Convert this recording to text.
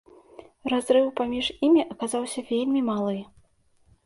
Разрыў паміж імі аказаўся вельмі малы.